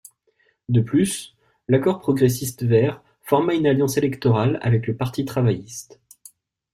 De plus, l'Accord progressiste vert forma une alliance électorale avec le Parti travailliste.